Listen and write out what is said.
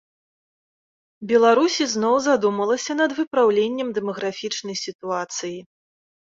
Беларусь ізноў задумалася над выпраўленнем дэмаграфічнай сітуацыі.